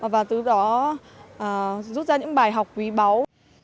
và từ đó rút ra những bài học quý báu